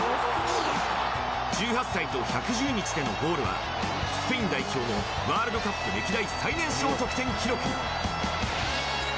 １８歳と１１０日でのゴールはスペイン代表のワールドカップ歴代最年少得点記録。